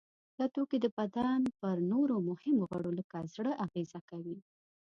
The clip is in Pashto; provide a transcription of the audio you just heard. دا توکي د بدن پر نورو مهمو غړو لکه زړه اغیزه کوي.